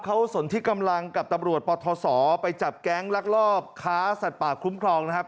เขาสนที่กำลังกับตำรวจปทศไปจับแก๊งลักลอบค้าสัตว์ป่าคุ้มครองนะครับ